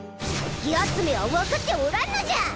ヤツめは分かっておらんのじゃ！